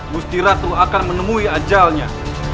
mustiratu akan menemui ajalnya